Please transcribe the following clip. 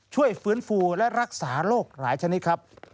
ช่วยฟื้นฟูและรักษาโรคหลายชนิดครับ